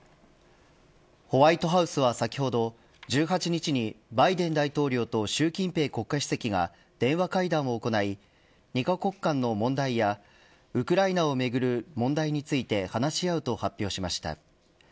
ホワイトハウスは先ほど１８日にバイデン大統領と習近平国家主席が電話会談を行い２カ国間の問題やウクライナをめぐる問題について話し合うと発表しました。